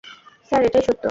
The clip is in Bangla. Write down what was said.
স্যার, এটাই সত্য।